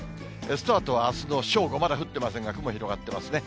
スタートはあすの正午、まだ降ってませんが、雲広がってますね。